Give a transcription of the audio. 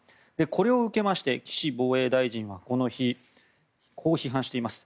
これを受けまして岸防衛大臣はこの日こう批判しています。